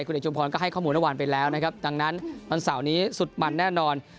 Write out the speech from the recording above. คุณเดชมพรก็ให้ข้อมูลนวันไปแล้วดังนั้นตอนเสาร์นี้สุดมันแน่นอน